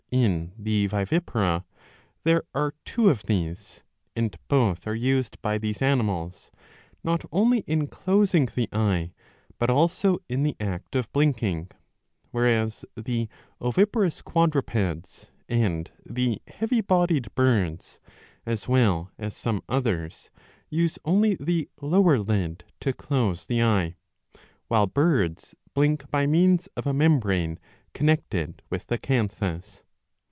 In the vivipara there are two of these ; and both are used by these animals not only in closing the eye, but also in the act of blinking ; whereas 667 a. "• 13 47 the oviparous quadrupeds, and ^ the heavy bodied birds as well as some others, use only the lower lid to close the eye;^ while birds blink by means of a membrane connected with the canthus.